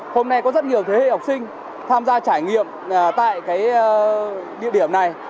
hôm nay có rất nhiều thế hệ học sinh tham gia trải nghiệm tại địa điểm này